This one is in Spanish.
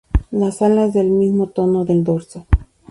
Las alas del mismo tono del dorso.